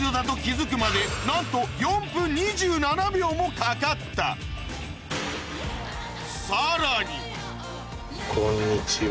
なんともかかったさらにこんにちは。